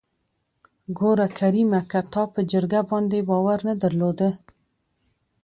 ګوره کريمه که تا په جرګه باندې باور نه درلوده.